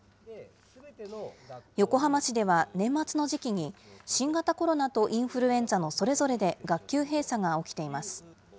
横浜市では年末の時期に新型コロナとインフルエンザのそれぞれで学級閉鎖が起きています。